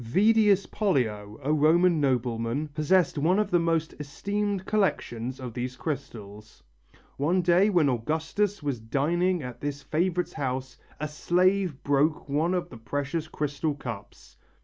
Vedius Pollio, a Roman nobleman, possessed one of the most esteemed collections of these crystals. One day when Augustus was dining at this favourite's house, a slave broke one of the precious crystal cups.